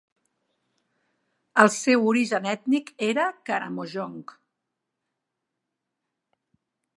El seu origen ètnic era Karamojong.